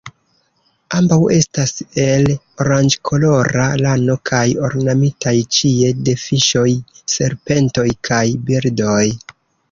Ambaŭ estas el oranĝkolora lano kaj ornamitaj ĉie de fiŝoj, serpentoj kaj birdoj.